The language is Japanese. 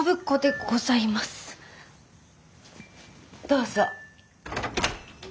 どうぞ。